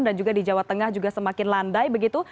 dan juga di jawa tengah juga semakin landai begitu